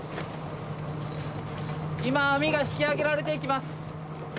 今、網が引き上げられていきます。